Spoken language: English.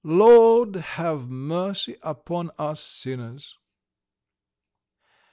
Lord, have mercy upon us sinners."